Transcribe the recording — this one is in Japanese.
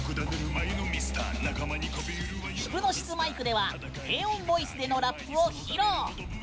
「ヒプノシスマイク」では低音ボイスでのラップを披露！